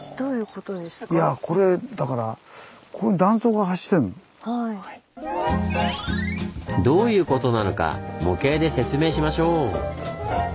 いやこれだからどういうことなのか模型で説明しましょう。